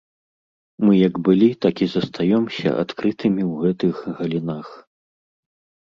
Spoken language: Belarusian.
Мы як былі, так і застаёмся адкрытымі ў гэтых галінах.